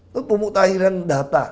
lu pemutahiran data